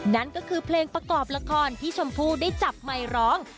นั่นก็คือเพลงประกอบละครที่ชมพู่ได้จับไมค์ร้อง